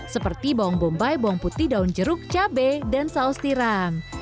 seperti bawang bombay bawang putih daun jeruk cabai dan saus tiram